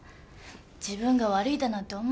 自分が悪いだなんて思わないで。